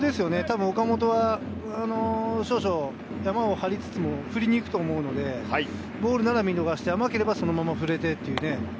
多分、岡本は少々、ヤマを張りつつも、振りに行くと思うので、ボールなら見逃して、甘ければそのまま振れてっていう。